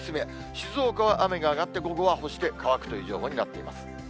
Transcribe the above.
静岡は雨が上がって、午後は干して乾くという予報になっています。